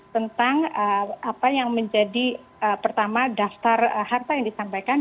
tentang apa yang menjadi pertama daftar harta yang disampaikan